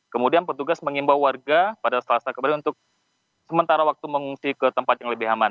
kemudian petugas mengimbau warga pada selasa kemarin untuk sementara waktu mengungsi ke tempat yang lebih aman